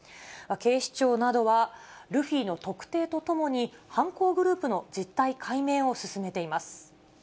警視庁などは、ルフィの特定とともに、犯行グループの実態解明を進めています。